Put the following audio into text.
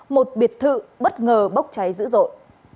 một biệt thự bất ngờ bốc cháy dữ dội